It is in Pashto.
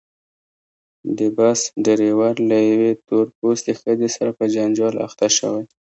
د بس ډریور له یوې تور پوستې ښځې سره په جنجال اخته شوی.